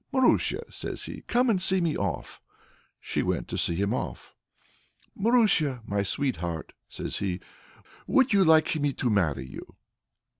"Marusia," says he, "come and see me off." She went to see him off. "Marusia, sweetheart!" says he, "would you like me to marry you?"